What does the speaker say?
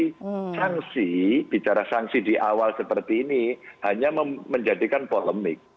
jadi sanksi bicara sanksi di awal seperti ini hanya menjadikan polemik